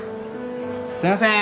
すいませーん。